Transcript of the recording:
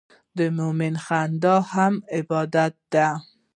د مؤمن خندا هم عبادت ده.